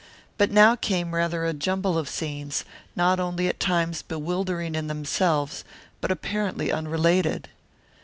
But now came rather a jumble of scenes, not only at times bewildering in themselves, but apparently unrelated.